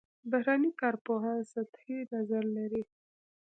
بهرني کارپوهان سطحي نظر لري.